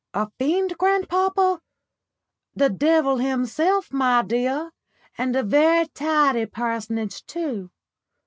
"A fiend, grandpapa!" "The devil himself, my dear, and a very tidy personage too.